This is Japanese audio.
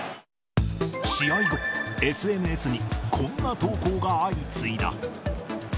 試合後、ＳＮＳに、こんな投稿が相次いだ。